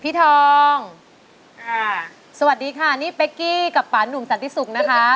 ทองค่ะสวัสดีค่ะนี่เป๊กกี้กับป่านุ่มสันติศุกร์นะคะ